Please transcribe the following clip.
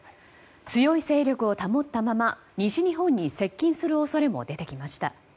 強い勢力を保ったまま西日本に接近する恐れも出てきました。